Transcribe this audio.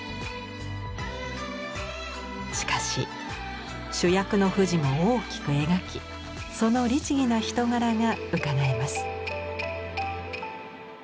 しかし主役の富士も大きく描きその律儀な人柄がうかがえます。